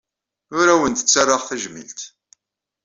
Ur awent-ttarraɣ tajmilt.